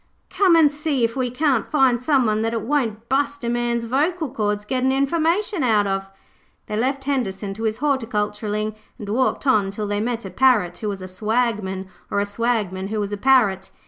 'Come an' see if we can't find someone that it won't bust a man's vocal cords gettin' information out of.' They left Henderson to his horticulturing and walked on till they met a Parrot who was a Swagman, or a Swagman who was a Parrot.